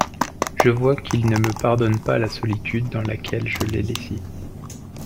Je vois qu'il ne me pardonne pas la solitude dans laquelle je l'ai laissé.